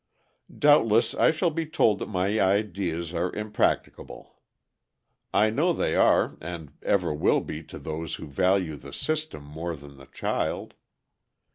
Doubtless I shall be told that my ideas are impracticable. I know they are and ever will be to those who value "the system" more than the child.